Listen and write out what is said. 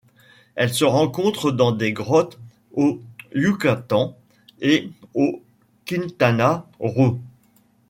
Elle se rencontre dans des grottes au Yucatán et au Quintana Roo.